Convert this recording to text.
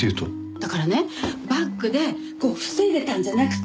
だからねバッグでこう防いでたんじゃなくて。